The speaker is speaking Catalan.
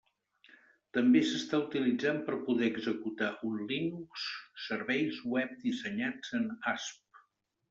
També s'està utilitzant per poder executar en Linux serveis web dissenyats en ASP.